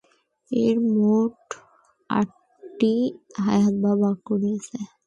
এর মোট আটটি আয়াত বা বাক্য রয়েছে।